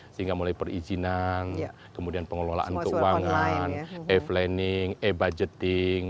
sehingga mulai perizinan kemudian pengelolaan keuangan e planning e budgeting